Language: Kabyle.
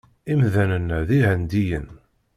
Imdanen-a d Ihendiyen.